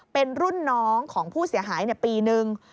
เป็นรุ่นน้องของผู้เสียหายปีนึง